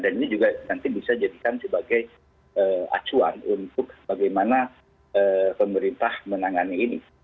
dan ini juga nanti bisa dijadikan sebagai acuan untuk bagaimana pemerintah menangani ini